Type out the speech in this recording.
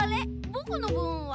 ぼくのぶんは？